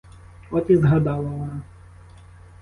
От і згадала вона.